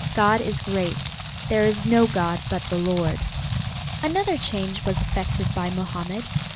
God is great. There is no god but the Lord." Another change was effected by Mohammed.